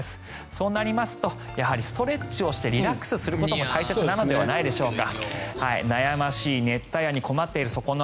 そうなりますとやはりストレッチをしてリラックスすることも大切なのではないでしょうか。